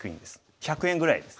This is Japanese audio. １００円ぐらいです。